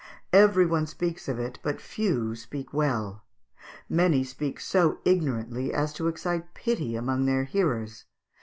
Every one speaks of it, but few speak well. Many speak so ignorantly as to excite pity among their hearers.